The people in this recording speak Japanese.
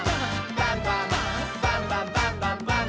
バンバン」「バンバンバンバンバンバン！」